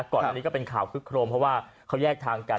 ก่อนอันนี้ก็เป็นข่าวคึกโครมเพราะว่าเขาแยกทางกัน